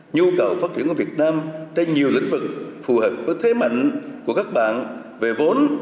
nhu cầu phát triển của việt nam trên nhiều lĩnh vực phù hợp với thế mạnh của các bạn về vốn